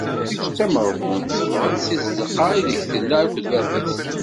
Taqcict tameɣbunt teffeɣ-d si tzeqqa ideg tella akked baba-s.